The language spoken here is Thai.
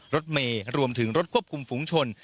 รถเมย์รวมถึงรถควบคุมฝุงชน